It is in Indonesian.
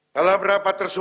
dalam rapat tersebut